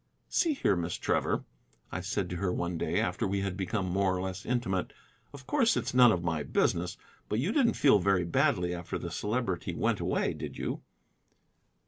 "See here, Miss Trevor," I said to her one day after we had become more or less intimate, "of course it's none of my business, but you didn't feel very badly after the Celebrity went away, did you?"